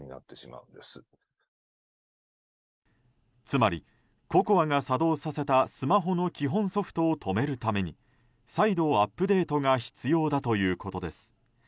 つまりＣＯＣＯＡが作動させたスマホの基本ソフトを止めるために再度アップデートが必要だということです。